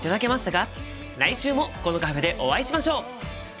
来週もこのカフェでお会いしましょう！